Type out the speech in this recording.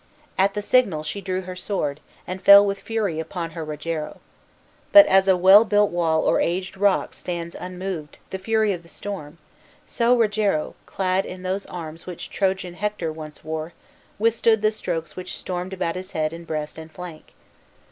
At the signal she drew her sword, and fell with fury upon her Rogero. But as a well built wall or aged rock stands unmoved the fury of the storm, so Rogero, clad in those arms which Trojan Hector once wore, withstood the strokes which stormed about his head and breast and flank.